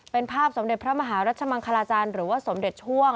เป็นภาพสมเด็จพระมหารัชมังคลาจารย์หรือว่าสมเด็จช่วง